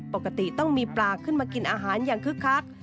ปกติต้องมีปลาขึ้นมากินอาหารอย่างคึกคัก